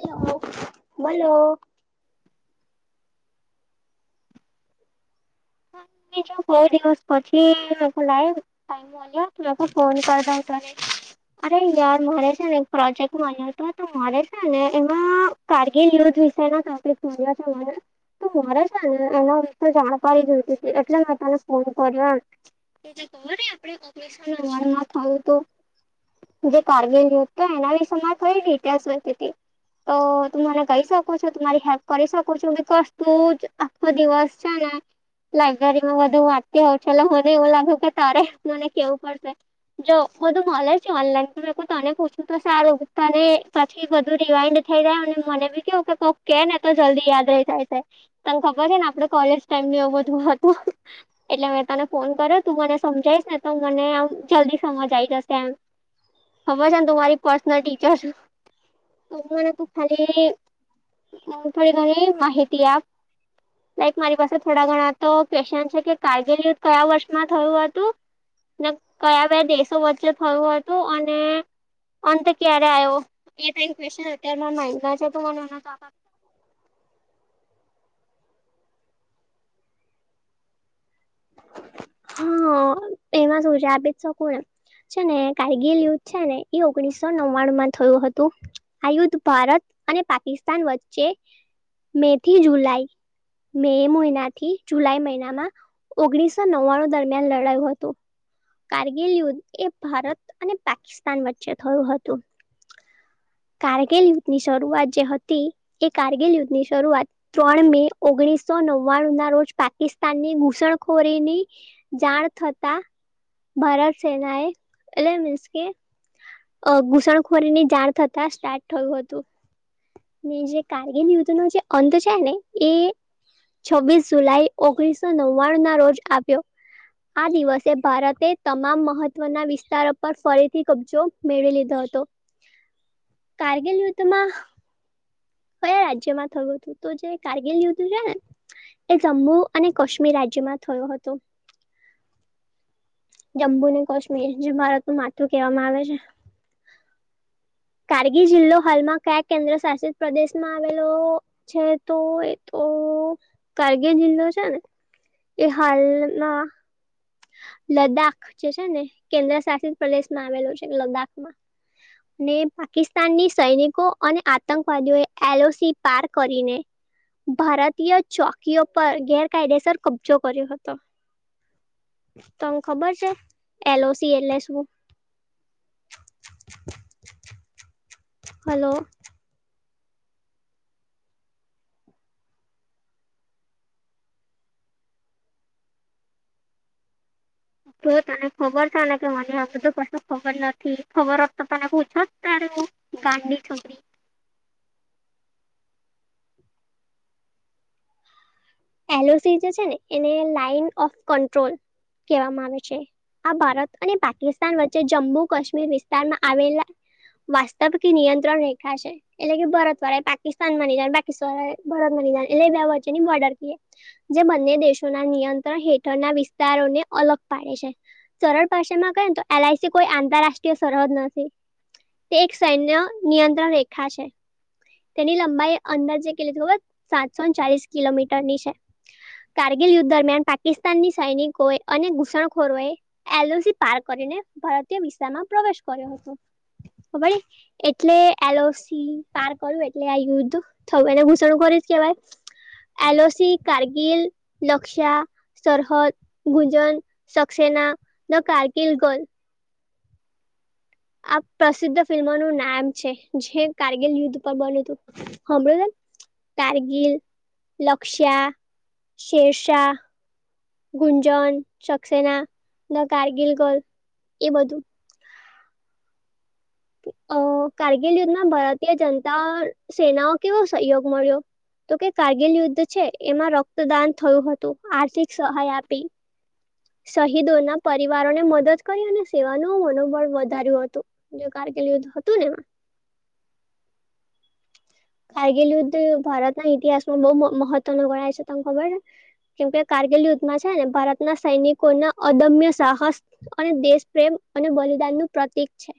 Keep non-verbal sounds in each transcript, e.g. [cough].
Hello બોલો બજું four દિવસ પછી લ ટ ત ફોન કરી દ તને અરે યાર મારે છે ને એક પ્રોજેક્ટ મા્યો તો તો મારે છેને, એમાં કારગીલ યુદ્ધ વિશે ના કંપલી્યો છે મને તો મારે છેને, એના વિશે કરી દ એટલે મે તને ફોન કર જે ખ આપે ઓપરેશન વડમાં થયું તો જે કારગિલ યયોથ હતો, એના વિ સમાં થય ને ઇહાસ વધથી તો તું મને કહી શક છરી હેલ્પ કરી શકો છો બિક તું જ આખો દિવસ છેને લાઈબ્રેરીમાં બધુ વાંતી હોઉ છે. એટલે મને એવું લાગ્યું કે તારે મને કેવું પડશે જો બધું મલે છે ઇનલાઇન પર મે તને પૂછું તો સારૂ તને ત થી વધુ રિવાઈન્ડ થઈ રહાય અને મને બી કેવું તો કે ને તો જલ્દી યાદ રહી જાય છે તને ખબર છે ને આપડે કોલેજ એ બધું હતું એટલે મેં તને ફોન કર્યો તું મને સમજાઈશ ને તો મને આમ જલ્દી સમજ આવી જશે એમ હબર છે ને તુ મારી પર્સનલ ટીચર મને તુ ખાલી થોડી ઘણી માહિતી આપ લાઈક મારી પાસે થોડા ઘણા તો ક્યુસશન છે કે કારગિલ યુદ્ધ કયા વર્ષમાં થયું હતું કયા બે દેશો વચ્ચે થયું હતું અને અંત ક્યારે આવ્યો એ ક ક્વન અત્યારે મે માયગા છે તુ મને [unintelligible] હા એમાં શું છે આબેજ શકું એમ છે ને કારગીલ યુદ્ધ છે ને ઓગણીસો નવ્વાણું માં થયું હતું આ યુદ્ધ ભારત અને પાકિસ્તાન વચ્ચે મે થી જુલાઈ મે મહિનાથી જુલાઈ મહિનામાં ઓગણીસો નવ્વાણું દરમિયાન લડાયું હતું કારગિલ યુદ્ધ એ ભારત અને પાકિસ્તાન વચ્ચે થયું હતું કારગિલ યુદ્ધ ની શરૂઆત જે હતી એ કારગિલ યુદ્ધ ની શરૂઆત ત્રણ મે ઓગણીસો નવ્વાણું ના રોજ પાકિસ્તાન ની ઘુસણ ખોરીની જાણ થતા ભારત સેના એ એટકે મીનસ કે અ ઘુસણખોરીની જાણ થતા સ્ટાર્ટ થયું હતું જે કારગીર યુધ નો જે અંત છે ને એ છવ્વીસ જુલાઈ ઓગણીસો નવ્વાણું ના રોજ આપ્યો આ દિવસે ભારતે તમામ મહત્વના વિસ્તારો પર ફરીથી કબજો મેળવી લીધો હતો [inaudible] કારગીલ યુદ્ધ મા કયા રાજ્યમાં થયું હતું તો જે કારગિલ યુદ્ધ છે ને એ જમ્મુ અને કાશ્મીર રાજ્યમાં થયો હતો જમ્મુ અને કાશ્મીર જે ભારત નું માથું કહેવામાં આવે છે [inaudible] કારગીર જિલ્લો હાલમાં કયા કેન્દ્ર શાસિત પ્રદેશમાં આવેલો છે તો એ તો કારગીલ જિલ્લો છે ને એ હાલના લદ્દાખ જે છે ને કેન્દ્ર શાસિત પ્રદેશ માં આવેલું છે લદ્દાખ માં [inaudible] ને પાકિસ્તાનની સૈનિકો અને આતંકવાદીઓ એ એલઓસી પાર કરીને ભારતીય ચોકીઓ પર ગેરકાયદેસર કબજો કર્યો હતો તોમ ખબર છે એલ ઓસી એલે શું હલો તો તને ખબર છે ને કે મને આ બધું કશુ ખબર નથી ખબર હોત તો તને પૂછો જ ત્યારે એવું ગાડી છોરી એલોસી જે છે ને એને લાઈન ઓફ કંટ્રોલ કહેવામાં આવે છે આ ભારત અને પાકિસ્તાન વચ્ચે જમ્મુ કાશ્મીર વિસ્તારમાં આવેલા વાસ્તવ કે નિયંત્રણ રેખા છે એટલે કે ભરત વડા એ પાકિસ્તાન વાની જાયે પાકિસ્તાન વડા એ ભારત બની જાયે એટલે એ વચ્ચે ની બર્ડર કે. જે બંને દેશોના નિયંત્રણ હેઠળના વિસ્તારોને અલગ પાડે છે. સરળ ભાષા મા ક્હે તો એલઆઈસી કોઈ આંતરરાષ્ટ્રીય સરહદ નથી. તે એક સૈન્ય નિયંત્રણ રેખા છે. તેની લંબાઈ અંદાજે કીધું હોત તો સાતસો ને ચાલીસ કિલોમીટર ની છે. કારગીલ યુદ્ધ દરમિયાન પાકિસ્તાનની સૈનિકો અને ઘુસણખોરોએ. એલજી પાર કરીને ભારતીય વિસ્ામાં પ્રવેશ કર્યો હતો. એટલે એલસી પાર કરું એટલે આ યુદ્ધ થ એને ઘૂસણું કરીશ કેહેવાય. એલોસી કારગીલ લકશા. સરહદ ગુંજન સક્સેના ન કારકિલ ગલ આ પ્રસિદ્ધ ફિલ્મોનુંું નામ છે જે કારગિલ યુદ્ધ પર બન્યું હતું. હમૃ કારગીલ લક્ષ્યા. શશા. ગુંજન સક્સેના ન કારગીલ ગલ એ બધુ અ કારગીલ યુદ્ધમાં ભારતીય જનતા સેનાઓ કેવો સહયોગ મળ્યો તો કે કારગીલ યુદ્ધ છે, એમાં રક્તદાન થયું હતું આર્થિક સહાય આપી શહીદોના પરિવારોને મદદ કરી અને સેવાનું મનોબળ વધાર્યું હતુ જો કારગલધ હતું ને એમા કારગીલ યુદ્ધ ભારતના ઇતિહાસમાં બહુ મહત્વ ન ગણાય છે તમ ખબર. કેમ કે કારગિલ યુદ્ધમાં છે ને ભારતના સૈનિકોના અદમ્ય સાહસ અને દેશ પ્રેમ અને બલિદાન નું પ્રતિક છે.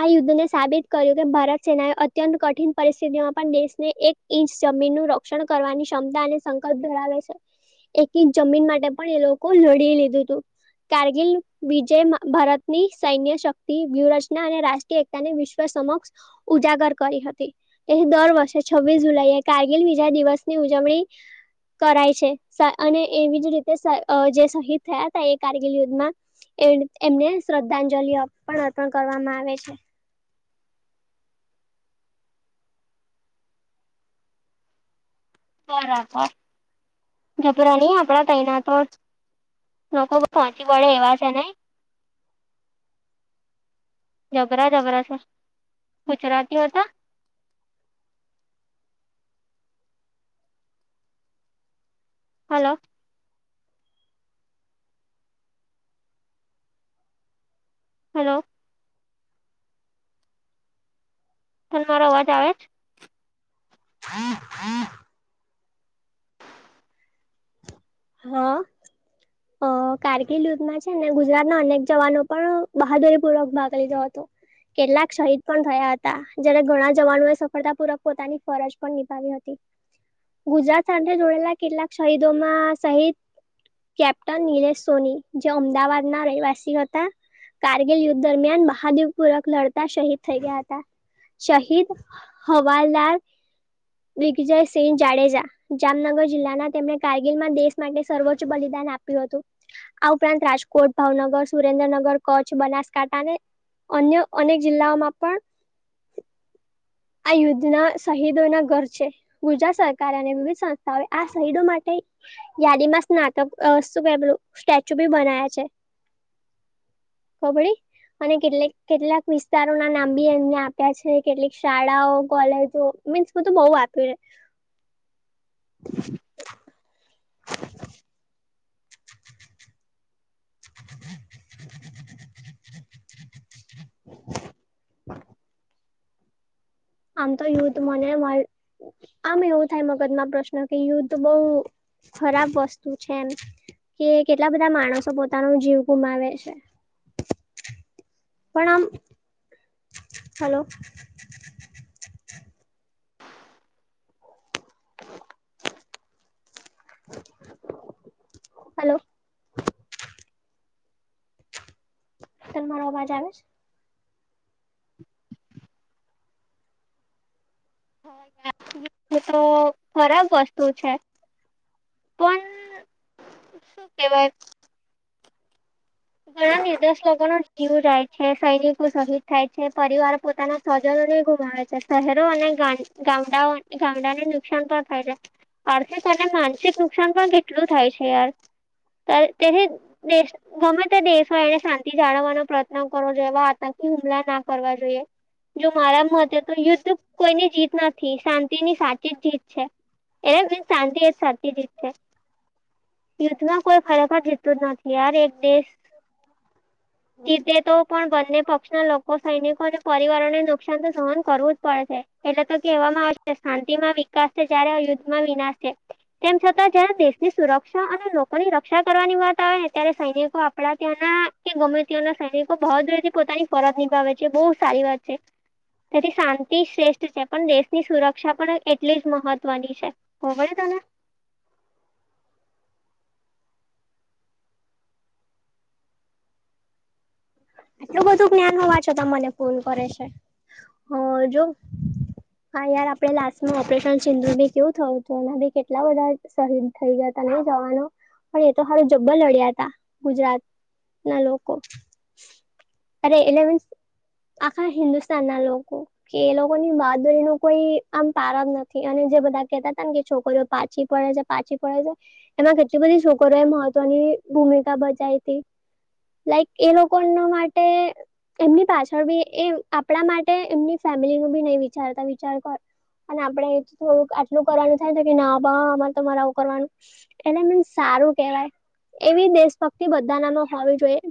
આ યુદ્ધને સાબિત કર્યું કે ભારત સેનાએ અત્યંત કઠિન પરિસ્થિતિમાં પણ દેશને એક ઇંચ જમીનનું રક્ષણ કરવાની ક્ષમતા અને સંકલ્પ ધરાવે છે. એક ઇંચ જમીન માટે પણ એ લોકો લડી લીધું તું. કારગિલ વિજય ભારતની સૈન્ય શક્તિ વ્યૂહરચના અને રાષ્ટ એકતાને વિશ્વ સમક્ષ ઉજાગર કરી હતી. એ દર વર્ષે છવ્વીસ જુલાઈ કારગીલ વિજા દિવસ ની ઉજવણી કરાય છે અને એવી જ રીતે જે શહીદ થયા હતા એ કારગિલ યુદ્ધમા એ એમને શ્રદ્ધાંજલિ અર્પણ અર્પણ કરવામાં આવે છે. બરાબર ગભરા નહી આપડા તૈના તો. લોકો પહોંચી વડે એવા છેને. જબરા જબરા છે, ગુજરાતી હો હતા. હલો. હલો. ત મારો અવાજ આવે જ. હ હ. હા. અ કારગિલ યુધમાં છે ને ગુજરાતના અનેક જવાનો પણ બહાદુરી પૂર્વક ભાગ લીધો હતો. કેટલાક શહીદ પણ થયા હતા જયારે ઘણા જવાનોએ સફળતા પૂર્વ પોતાની ફરજ પણ નિભાવી હતી. [inaudible] ગુજરાત સાથે જોડેલા કેટલાક શહીદોમાં સહિત કેપ્ટન નિનીલેશ સોની જે અમદાવાદ ના રહેવાસી હતા. કારગિલ યુદ્ધ દરમિયાન મહાદેવ પૂરક લડતા શહીિદ થઈ ગયા હતા. શહીદ હવાલાલ દિગ્જયસિંહ જાડેજા જામનગર જિલ્લાના તેમને કારગીલમાં દેશ. માટે સર્વોચ્ચ બલિદાન આપ્યું હતુ આ ઉપરાંત રાજકોટ ભાવનગર સુરેન્દ્રનગર કચ્છ બનાસકાંઠાને. અન્ય અનેક જિલ્લાઓમાં પણ આ યુદ્ધના શહીદો ના ઘર છે. ગુજરાત સરકાર અને વિવિધ સંસ્થાઓ આ શહીદો માટે યાદીમાં સ્નાતક શું કેલું સ્ટેચ્યુ બી બનાયા છે. ખબળ અને કેટક કેટલાક વિસ્તારો ના નામ બી એમને આપ્યા છે, કેટક શાળાઓ કોલેજો મીન્સ બધું બહ આપી ર હ [inaudible] [inaudible] આમ તો યુથ મને આમ એવું થાય મગજમાં પ્રશ્ન કે યુદ્ધ બહુ ખરાબ વસ્તુ છે, એમ કે કેટલા બધા માણસો પોતાનો જીવ ગુમાવે છે. પણ આમ હલો [inaudible] હલો તલ મારો અવાજ આવે છે. [inaudible] છે તો ખરાબ વસ્તુ છે. પણ શું કેવાય ઘણા નિર્દોશ લોકો ન જીવ જાય છે સૈનિકો શહીદ થાય છે, પરિવાર પોતાના સ્વજનોને ગુમાવે છે શહેરો અને ગામડાઓ ગામડાને નુકસાન પણ થાય છે. અર્થે તને માનસિક નુકસાન પણ કેટલું થાય છે, યાર તેથી દેશ ગ દેશો એને શાંતિ જાળવવાનો પ્રયત્ન કરો જે એવા આતંકી હુમલા ના કરવા જોઈએ જો મારા મતે તો યુદ્ધ કોઈની જીત નથી શાંતિની સાચી જ જીત છે. એને બ શાંતિ જ સાચી જ છે. યુદ્ધમાં કોઈ ખરેખર જીતું જ નથી યાર એક દેશ સીતે તો પણ બંને પક્ષના લોકો સૈનિકોને પરિવારોને નુકસાન તો સહન કરવું જ પડશે એટલે તો કહેવામાં આવશે શાંતિ માં વિકાસ છે જ્યારે યુદ્ધમાં વિનાશ છે. તેમ છતાં જયારે દેશની સુરક્ષા અને લોકોની રક્ષા કરવાની વાત આવેને ત્યારે સૈનિકો કડા ત્યાંના કે ગમે ત્યાંના સૈનિકો ભાવદરે થી પોતાની ફરજ નિભાવે છે, બહુ સારી વાત છે. તેથી શાંતિ શ્રેષ્ઠ છે, પણ દેશની સુરક્ષા પણ એટલી જ મહત્વની છે. કોબળી તને એટલું બધું જ્ઞાન હોવા છ ત મને ફોન કરે છે હ જો હા યાર આપડે લાસ્ટ ન ઓપરેશન સિંધુ બી કેવું થયું હતું એના બી કેટલા બધા શહીદ થઈ ગયા ત નહી જવાનું પણ એ તો સારું જબ્બર લડ્યા ત ગુજરાત ના લોકો અરે લેવ આખા હિન્દુસ્તાન ના લોકો કે એ લોકોની બહાદુરી ન કોઈ આમ પારા નથી અને જે બધા કેહેતા હતા ને કે છોકરીઓ પાછી પડે છે. પાછી પડે છે, એમાં કેટલી બધી છોકરોએ મહત્વની ભૂમિકા ભજાઈ હતી લાઈક એ લોકો ન માટે એમની પાછળ બી એ આપણા માટે એમની ફેમિલી નું બી નહી વિચારતા વિચાર કર અને આપડે એ થોડું આટલું કરવાનું થાય ને કે ના બા અરે તમારે આવું કરવાનુ એને મને સારું કેવાય એવી દેશભક્તિ બધા નામાં હોવી જોઈએ.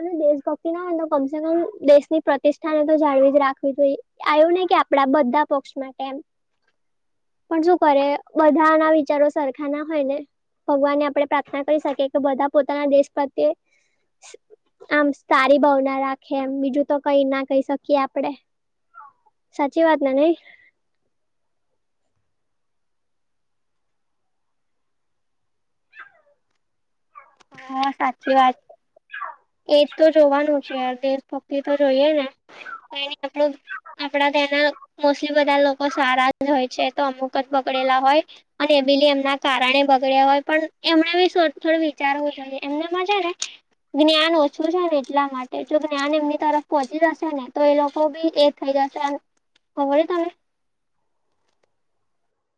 અને દેશભક્તિ ના હોય તો કમસે કમ દેશની પ્રતિષ્ઠાને તો જાળવી જ રાખવી જોઈ એ આવ્યું ને કે આપડા બધા પક્ષ માટે એમ પણ શું કરે બધા ના વિચારો સરખા ના હોય ને ભગવાનને આપણે પ્રાર્થના કરી શકીએ કે બધા પોતાના દેશ પ્રત્યે આમ સારી ભાવના રાખે એમ બીજું તો કઈ ના કહી શકીએ આપડે સાચી વાત નને હા, સાચી વાત એજ તો જોવાનું છેય, દ તો જોઈએ ને આપ આપડા તના મોસ્ટલી બધા લોકો સારા જ હોય છે તો અમુક જ પકડેલા હોય. અને એ બી એમના કારણે બગડ્યા હોય પણ એમને બી થોડી ચારજ એમને મજા જ્ઞાન ઓછું છે ને એટલા માટે જો જ્ઞાન એમની તરફ પહોંચી જશે ને તો એ લોકો બી એ થઈ જશે ખબર છે, તમે